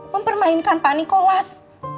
mempermainkan pak nikolas